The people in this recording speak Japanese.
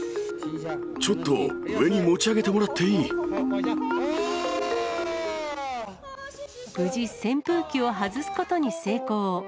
ちょっと上に持ち上げてもら無事、扇風機を外すことに成功。